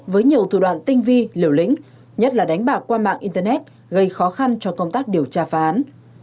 với nhiều thủ đoạn tinh vi liều lĩnh nhất là đánh bạc qua mạng internet gây khó khăn cho công tác điều tra phá án